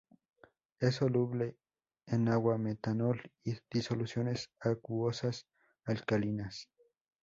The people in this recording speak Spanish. Es soluble en agua, metanol y disoluciones acuosas alcalinas.